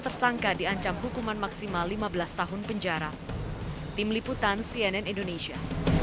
tersangka diancam hukuman maksimal lima belas tahun penjara tim liputan cnn indonesia